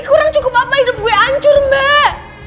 kurang cukup apa hidup gue hancur mbak